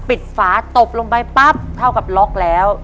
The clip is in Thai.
ฝาตบลงไปปั๊บเท่ากับล็อกแล้ว